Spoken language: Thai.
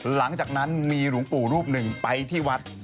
หลังจากนั้นมีหลวงปู่รูปหนึ่งไปที่วัด